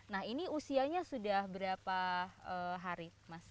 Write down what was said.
nah ini usianya sudah berapa hari mas